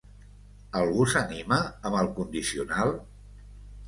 Algú s'anima amb el condicional?